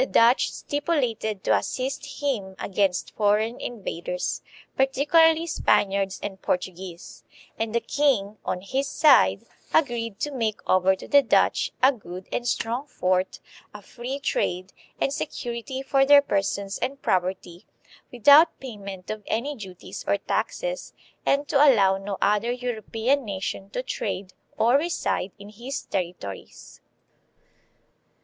"The Dutch stipulated to assist him against foreign invaders, particu 1 Raffles: History of Java, vol. II., p. 116. THE DUTCH AND MORO WARS. 1600 1663. 191 larly Spaniards and Portuguese; and the king, on his side, agreed to make over to the Dutch a good and strong fort, a free trade, and security for their persons and property without payment of any duties or taxes, and to allow no other European nation to trade or reside in his territories."